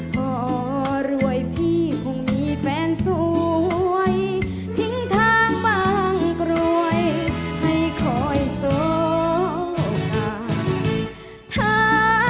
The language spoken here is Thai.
พอรวยพี่คงมีแฟนสวยทิ้งทางบางกรวยให้คอยโสกาย